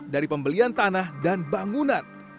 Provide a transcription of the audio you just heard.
dari pembelian tanah dan bangunan